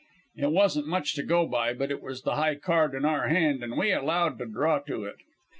It wasn't much to go by, but it was the high card in our hand, an' we allowed to draw to it.